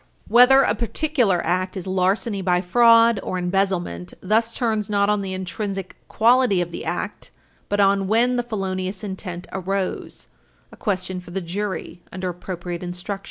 Whether a particular act is larceny by fraud or embezzlement thus turns not on the intrinsic quality of the act, but on when the felonious intent arose a question for the jury under appropriate instructions.